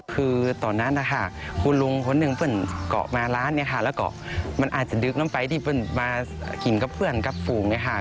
คือตอนนั้นนะคะคุณลุงคนนึงปึ่งเกาะมาร้านนะคะแล้วก็มันอาจจะดึกน้ำไฟที่ปึ่งมากินกับเพื่อนกับฝุงไหมคะ